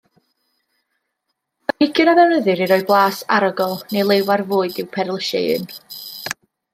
Planhigion a ddefnyddir i roi blas, arogl neu liw ar fwyd yw perlysieuyn.